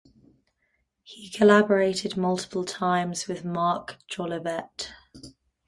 He collaborated multiple times with Marc Jolivet.